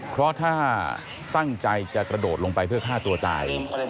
เพราะถ้าตั้งใจจะกระโดดลงไปเพื่อฆ่าตัวตาย